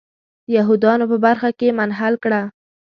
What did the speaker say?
د یهودانو په برخه کې منحل کړه.